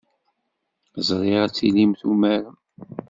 Ẓriɣ ad tilim tumarem.